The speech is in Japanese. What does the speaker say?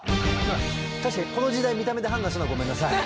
確かにこの時代見た目で判断するのはごめんなさい。